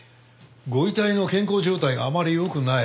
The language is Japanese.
ご遺体の健康状態があまり良くない。